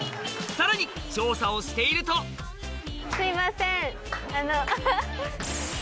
さらに調査をしているとすいません。